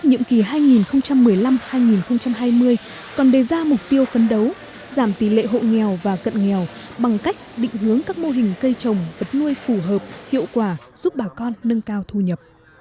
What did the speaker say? nhiệm kỳ hai nghìn một mươi năm hai nghìn hai mươi còn đề ra mục tiêu phấn đấu giảm tỷ lệ hộ nghèo và cận nghèo bằng cách định hướng các mô hình cây trồng vật nuôi phù hợp hiệu quả giúp bà con nâng cao thu nhập